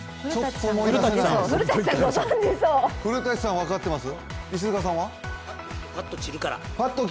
古館さん分かってます？